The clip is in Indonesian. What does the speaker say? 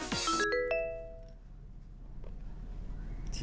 duduk disini terus bikin ngantuk